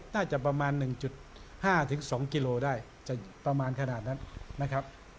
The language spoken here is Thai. น่าจะประมาณหนึ่งจุดห้าถึงสองกิโลได้จะประมาณขนาดนั้นนะครับ